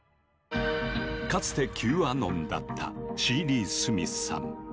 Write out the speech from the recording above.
かつてＱアノンだったシーリー・スミスさん。